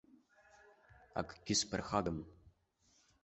Акгьы сԥырхагам.